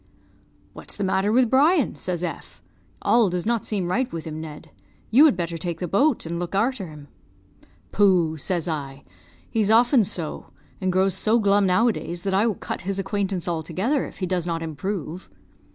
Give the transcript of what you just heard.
"'What's the matter with Brian?' says F ; 'all does not seem right with him, Ned. You had better take the boat, and look arter him.' "'Pooh!' says I; 'he's often so, and grows so glum nowadays that I will cut his acquaintance altogether if he does not improve.'